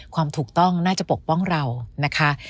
ความถูกต้องน่าจะปกป้องเรานะคะ